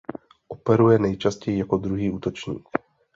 Operuje nejčastěji jako druhý útočník.